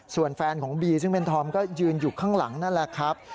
ส่วนแฟนของบีซึ่งเป็นธอมก็ยืนอยู่ข้างหลังนั่นแหละครับ